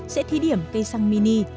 sẽ thi điểm cây xăng mini